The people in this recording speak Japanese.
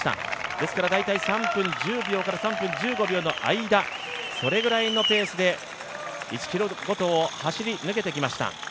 ですから大体３分１０秒から３分１５秒の間、それぐらいのペースで１ｋｍごとを走り抜けてきました。